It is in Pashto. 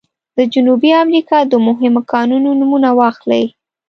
د جنوبي امریکا د مهمو کانونو نومونه واخلئ.